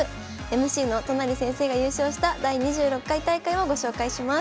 ＭＣの都成先生が優勝した第２６回大会をご紹介します。